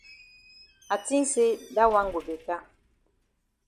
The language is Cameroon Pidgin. I tink say dat wan go beta.